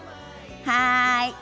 はい。